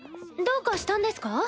どうかしたんですか？